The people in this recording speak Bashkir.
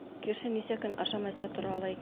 Кеше нисә көн ашамайса тора ала икән?